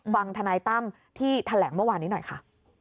ฟังธนายตั้มที่แถลงเมื่อวานนี้หน่อยค่ะ